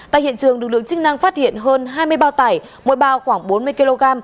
tại hiện trường lực lượng chức năng phát hiện hơn hai mươi bao tải mỗi bao khoảng bốn mươi kg